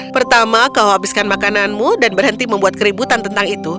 pertama kau habiskan makananmu dan berhenti membuat keributan tentang itu